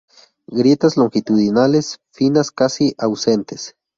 Grietas longitudinales finas casi ausentes.